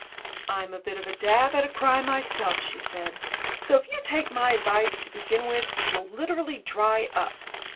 "I'm a bit of a dab at a cry myself," she said. "So, if you take my advice, to begin with, you'll literally dry up."